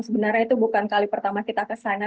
sebenarnya itu bukan kali pertama kita ke sana